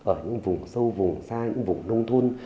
ở những vùng sâu vùng xa những vùng nông thôn